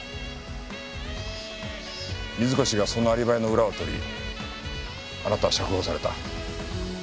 水越がそのアリバイの裏を取りあなたは釈放された。